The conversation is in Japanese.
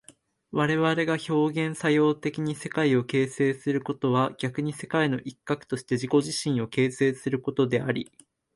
我々が表現作用的に世界を形成することは逆に世界の一角として自己自身を形成することであり、